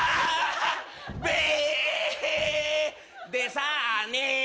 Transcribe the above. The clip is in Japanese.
でさーね。